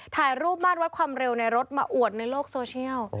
ถ่ายรูปบ้านวัดความเร็วในรถมาอวดในโลกโซเชียล